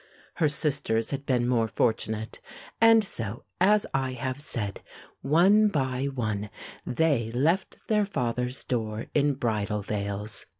Her sisters had been more fortunate, and so, as I have said, one by one they left their father's door in bridal veils.